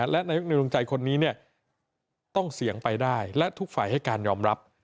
และในดวงใจคนนี้ต้องเสี่ยงไปได้และทุกฝ่ายให้การยอมรับ